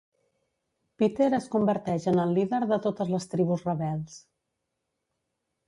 Peter es converteix en el líder de totes les tribus rebels.